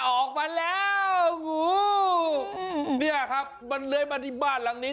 ออกมาแล้วงูเนี่ยครับมันเลื้อยมาที่บ้านหลังนี้